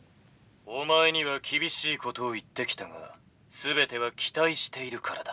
「お前には厳しいことを言ってきたが全ては期待しているからだ」。